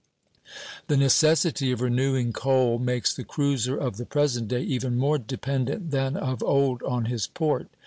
The necessity of renewing coal makes the cruiser of the present day even more dependent than of old on his port.